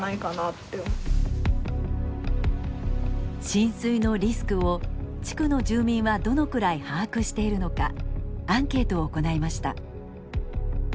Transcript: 浸水のリスクを地区の住民はどのくらい把握しているのかアンケートを行いました。